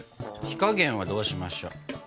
火加減はどうしましょう？